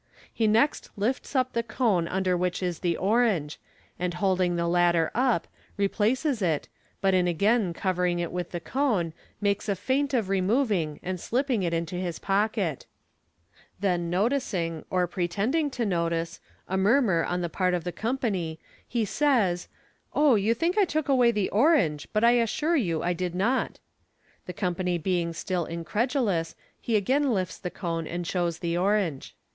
He next lifts up the cone under which is the orange, and holding the latter up, replaces it, but in again covering it with the cone, makes a feint of removing and slipping it into his pocket Then noticing, or pretending to notice, a murmur on the part of thf company, he says, " Oh, you think I took away the orange, but I assure you I did not." The company being still incredulous, he again lifts the cone and shows the orange.